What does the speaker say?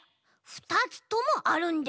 ふたつともあるんです！